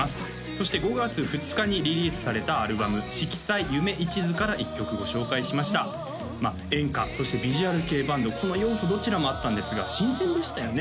そして５月にリリースされたアルバム「色彩夢一途」から１曲ご紹介しましたまあ演歌そしてビジュアル系バンドこの要素どちらもあったんですが新鮮でしたよね